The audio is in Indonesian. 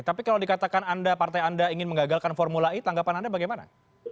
tapi kalau dikatakan partai anda ingin mengagalkan formula e tanggapan anda bagaimana